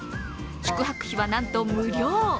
宿泊費はなんと無料。